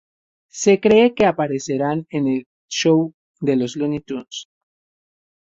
Se cree que aparecerán en El show de los Looney tunes.